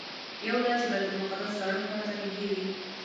یو دا چې بیت المقدس زاړه ښار ته نږدې وي.